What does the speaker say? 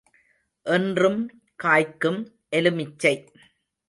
என்றும் காய்க்கும் எலுமிச்சை.